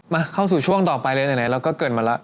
เข้าสู่ช่วงต่อไปเลยไหนเราก็เกิดมาแล้ว